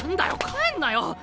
帰んなよ。